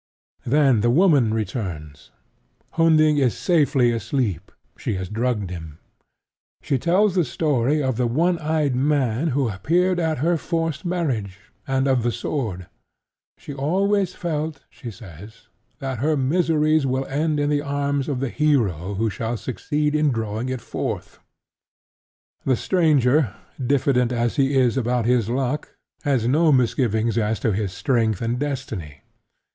Then the woman returns. Hunding is safely asleep: she has drugged him. She tells the story of the one eyed man who appeared at her forced marriage, and of the sword. She has always felt, she says, that her miseries will end in the arms of the hero who shall succeed in drawing it forth. The stranger, diffident as he is about his luck, has no misgivings as to his strength and destiny.